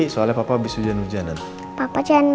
soalnya papa habis hujan hujanan